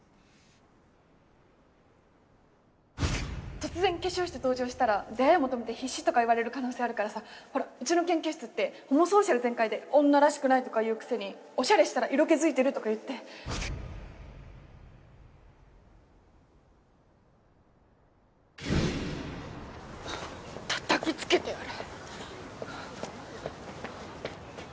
突然化粧して登場したら出会い求めて必死とか言われる可能性あるからさほらうちの研究室ってホモソーシャル「女らしくない」とか言うくせにオシャレしたら色気づいてるとか言ってたたきつけてやる！